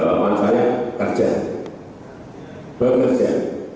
belum kalau saya bekerja saya bekerja